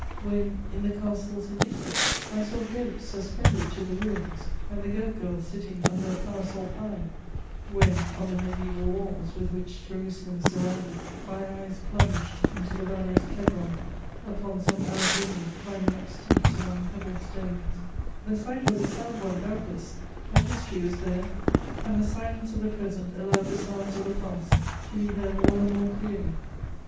When, in the castles in Italy, I saw goats suspended to the ruins and the goat girl sitting under a parasol pine; when, on the mediæval walls with which Jerusalem is surrounded, my eyes plunged into the Valley of Cedron upon some Arab women climbing up steeps among pebble stones, the sight was a sad one doubtless, but history was there, and the silence of the present allowed the sounds of the past to be heard all the more clearly.